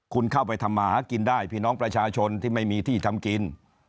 คุณเข้าไปทำมาหากินได้พี่น้องประชาชนที่ไม่มีที่ทำกิน